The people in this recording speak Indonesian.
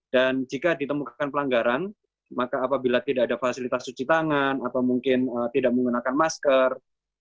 dan jika ditemukan pelanggaran maka apabila tidak ada fasilitas cuci tangan atau mungkin tidak menggunakan masker